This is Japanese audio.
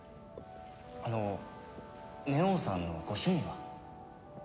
あの祢音さんのご趣味は？